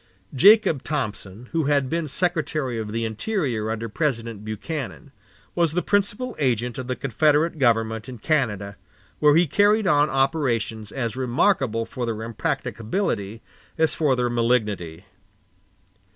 Jacob Thompson, who had been Secretary of the Interior under President Buchanan, was the principal agent of the Confederate government in Canada, where he carried on operations as remarkable for their impracticability as for their malignity.